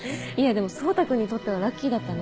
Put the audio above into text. でも蒼汰君にとってはラッキーだったね。